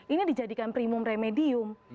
ini dijadikan primum remedium